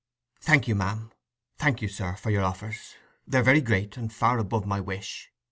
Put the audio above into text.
"Thank you, ma'am—thank you, sir, for your offers—they're very great, and far above my wish.